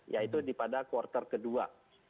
yaitu pada quarter kedua